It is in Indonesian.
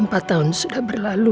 empat tahun sudah berlalu